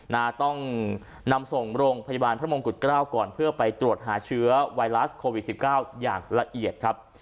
นะต้องนำส่งโรงพยาบาลพระมงกุฎเกล้าก่อนเพื่อไปตรวจหาเชื้อไวรัสโควิดสิบเก้าอย่างละเอียดครับ